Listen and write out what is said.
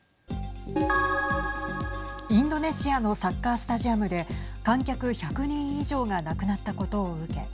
インドネシアのサッカースタジアムで観客１００人以上が亡くなったことを受け